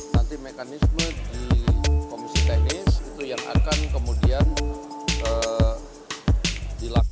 nanti mekanisme di komisi teknis itu yang akan kemudian dilakukan